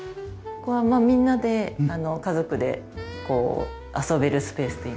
ここはみんなで家族で遊べるスペースといいますか。